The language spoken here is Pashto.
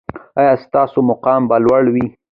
ایا ستاسو مقام به لوړ وي؟